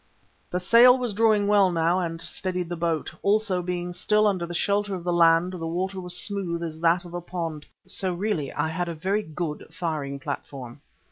The sail was drawing well now and steadied the boat, also, being still under the shelter of the land, the water was smooth as that of a pond, so really I had a very good firing platform.